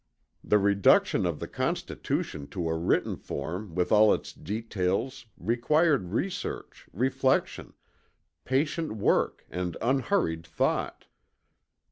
The reduction of the Constitution to a written form with all its details required research, reflection, patient work and unhurried thought.